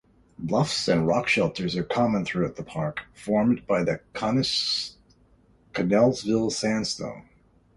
Bluffs and rock shelters are common throughout the park, formed by the Connellsville sandstone.